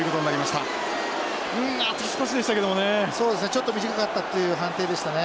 ちょっと短かったっていう判定でしたね。